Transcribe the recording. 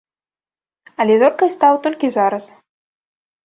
Але зоркай стаў толькі зараз.